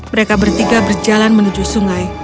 mereka bertiga berjalan menuju sungai